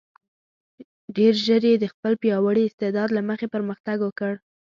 ډېر ژر یې د خپل پیاوړي استعداد له مخې پرمختګ وکړ.